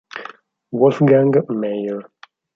Wolfgang Mair